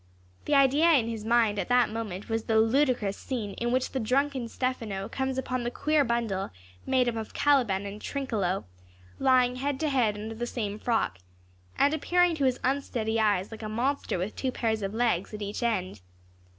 The idea in his mind at that moment was the ludicrous scene in which the drunken Stephano comes upon the queer bundle, made up of Caliban and Trinculo, lying head to head under the same frock, and appearing to his unsteady eyes like a monster with two pairs of legs at each end.